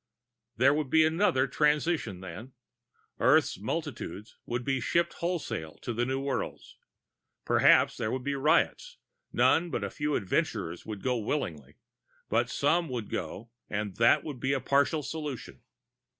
There would be another transition then. Earth's multitudes would be shipped wholesale to the new worlds. Perhaps there would be riots; none but a few adventurers would go willingly. But some would go, and that would be a partial solution.